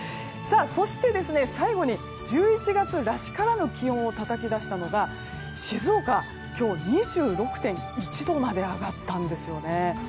そして、最後に１１月らしからぬ気温をたたき出したのが静岡、今日２６．１度まで上がったんですよね。